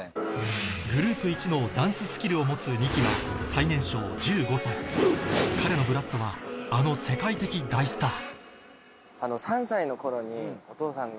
グループいちのダンススキルを持つＮＩ−ＫＩは最年少１５歳彼のＢＬＯＯＤはあの世界的大スター